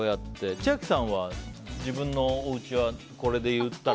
千秋さんは、自分のおうちはこれでいったら？